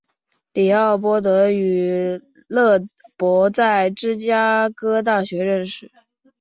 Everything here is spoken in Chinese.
李奥波德与勒伯在芝加哥大学认识。